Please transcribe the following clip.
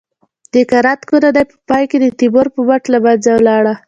د کرت کورنۍ په پای کې د تیمور په مټ له منځه لاړه.